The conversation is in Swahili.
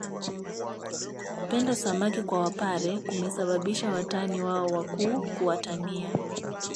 Kupenda samaki kwa wapare kumesababisha watani wao wakuu kuwatania